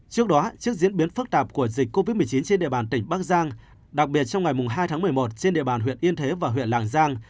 trước đó trước diễn biến phức tạp của dịch covid một mươi chín trên địa bàn tỉnh bắc giang đặc biệt trong ngày hai tháng một mươi một trên địa bàn huyện yên thế và huyện lạng giang